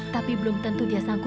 tapi belum tentu dia sanggup